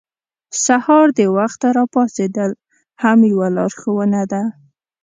سهار د وخته راپاڅېدل هم یوه لارښوونه ده.